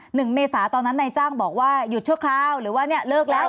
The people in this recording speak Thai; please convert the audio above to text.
เมษาตอนนั้นนายจ้างบอกว่าหยุดชั่วคราวหรือว่าเนี่ยเลิกแล้ว